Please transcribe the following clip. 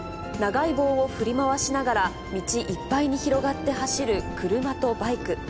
長い棒を振り回しながら、道いっぱいに広がって走る車とバイク。